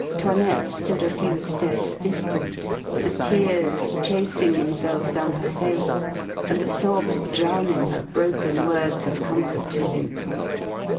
'Toinette stood a few steps distant, the tears chasing themselves down her face and the sobs drowning her broken words of comfort to him.